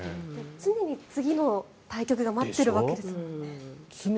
常に次の対局が待っているわけですから。